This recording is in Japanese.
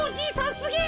すげえ！